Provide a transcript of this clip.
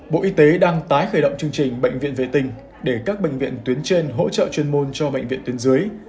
bộ y tế đang tái khởi động chương trình bệnh viện vệ tinh để các bệnh viện tuyến trên hỗ trợ chuyên môn cho bệnh viện tuyến dưới